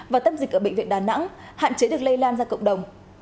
và tâm dịch ở bệnh viện đà nẵng